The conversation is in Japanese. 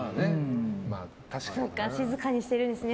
静かにしてるんですね。